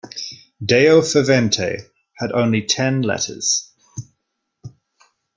"Deo Favente" had only ten letters.